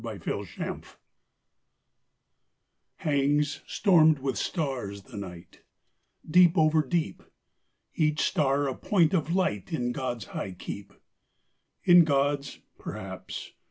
THE LIGHT AND LARK Hangs, stormed with stars, the night, Deep over deep; Each star a point of light In God's high keep. In God's? Perhaps.